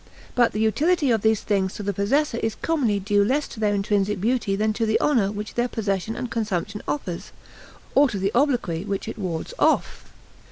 But the utility of these things to the possessor is commonly due less to their intrinsic beauty than to the honor which their possession and consumption confers, or to the obloquy which it wards off.